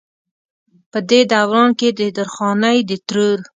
پۀ دې دوران کښې د درخانۍ د ترور